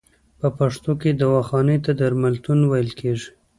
په پښتو کې دواخانې ته درملتون ویل کیږی.